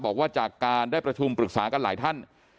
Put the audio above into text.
บอกว่าจากการได้ประชุมปรึกษากันหลายท่าน